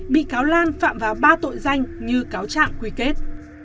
bị cáo lan phạm vào ba tội danh như cáo trạng quy kết